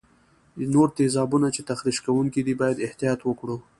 نور تیزابونه چې تخریش کوونکي دي باید احتیاط وکړو.